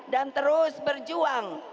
dan terus berjuang untuk berjaya